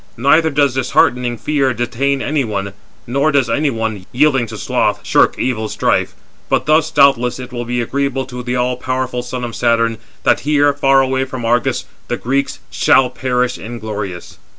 Neither does disheartening fear detain any one, nor does any one, yielding to sloth, shirk evil strife; but thus, doubtless, it will be agreeable to the all powerful son of Saturn, that here, far away from Argos, the Greeks shall perish inglorious.